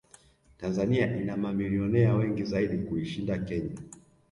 Tanzania ina mamilionea wengi zaidi kuishinda Kenya